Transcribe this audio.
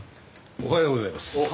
おはようございます。